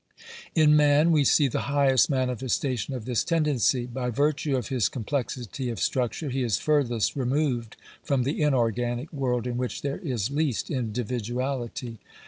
In man we see the highest manifestation of this tendency. By virtue of his complexity of structure, he is furthest removed from the inorganic world in which there is least individuality.